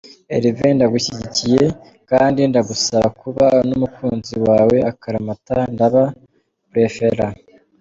Herve ndagushyigukiye kd ndagusaba kubana numukunzi wae akaramata ndaba prefera.